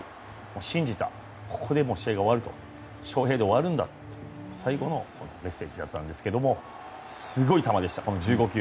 信じた、ここでもう試合が終わる翔平で終わるんだという最後のメッセージだったんですけどもすごい球でした、この１５球。